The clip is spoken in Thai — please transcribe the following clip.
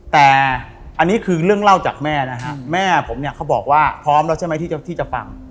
แต่อันนี้คือเรื่องเล่าจากแม่นะฮะแม่ผมเนี่ยเขาบอกว่าพร้อมแล้วใช่ไหมที่จะฟัง